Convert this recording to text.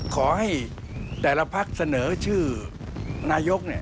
ขอให้แต่ละพักเสนอชื่อนายก